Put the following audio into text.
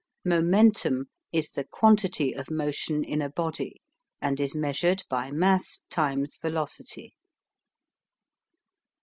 MOMENTUM is the quantity of motion in a body, and is measured by mass x velocity.